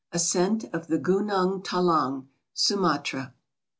ASCENT OF THE OUNUNO TALANO, SUMATKA.